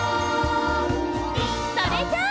それじゃあ！